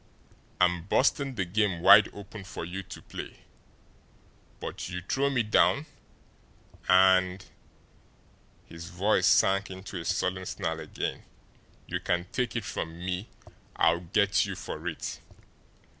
I'm busting the game wide open for you to play, but you throw me down, and" his voice sank into a sullen snarl again "you can take it from me, I'll get you for it!"